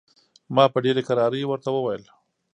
ما په ډېرې کرارۍ ورته وویل.